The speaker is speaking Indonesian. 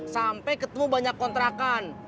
sampai ketemu banyak kontrakan